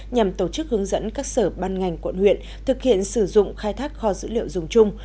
nhằm tổ chức hướng dẫn các sở ban ngành quận huyện thực hiện sử dụng khai thác kho dữ liệu dùng chung